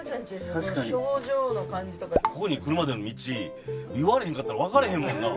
ここに来るまでの道言われへんかったら分かれへんもんな。